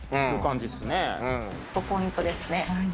そこがポイントですね。